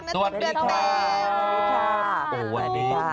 สวัสดีค่ะ